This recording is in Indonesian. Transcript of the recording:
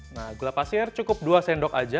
nah gula pasir cukup dua sendok aja